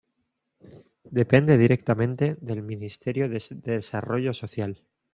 Depende directamente del Ministerio de Desarrollo Social.